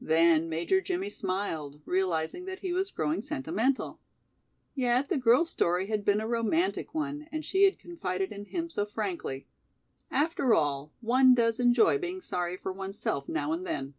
Then Major Jimmie smiled, realizing that he was growing sentimental. Yet the girl's story had been a romantic one and she had confided in him so frankly. After all, one does enjoy being sorry for oneself now and then!